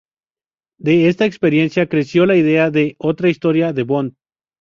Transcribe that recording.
De esta experiencia creció la idea de otra historia de Bond.